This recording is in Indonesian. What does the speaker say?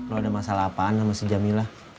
lo ada masalah apaan sama si jamila